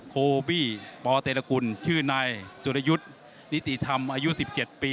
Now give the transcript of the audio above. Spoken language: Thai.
โคบี้ปเตรกุลชื่อนายสุรยุทธ์นิติธรรมอายุ๑๗ปี